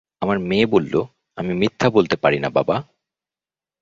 আমার মেয়ে বলল, আমি মিথ্যা বলতে পারি না, বাবা।